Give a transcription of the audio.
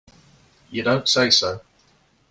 You don't say so!